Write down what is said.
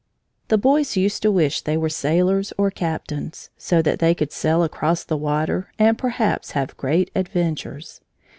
The boys used to wish they were sailors or captains, so that they could sail across the water and perhaps have great adventures.